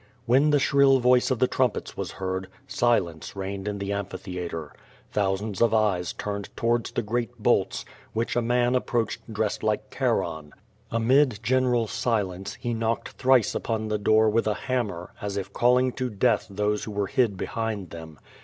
When the shrill voice of the trumpets was heard, silence reigned in the amphitheatre. Thousands of eyes turned to wards the great bolts, which a man approached dressed like Charon. Amid general silence, he knocked thrice upon the door with a hammer, as if calling to death those who were hid behind them.